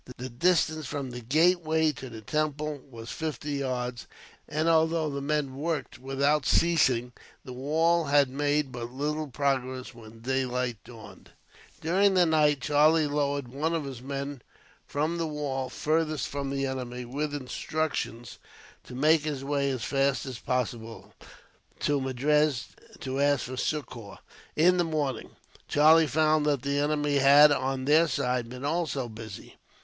The distance from the gateway to the temple was fifty yards, and although the men worked without ceasing, the wall had made but little progress when daylight dawned. During the night, Charlie lowered one of his men from the wall farthest from the enemy; with instructions to make his way, as fast as possible, to Madras to ask for succour. In the morning, Charlie found that the enemy had, on their side, been also busy.